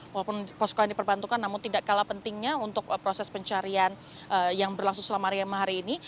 walaupun posko yang diperbantukan namun tidak kalah pentingnya untuk proses pencarian yang berlangsung selama riam hari ini